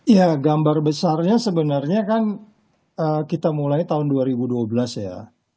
ya gambar besarnya sebenarnya kan kita mulai tahun dua ribu dua belas ya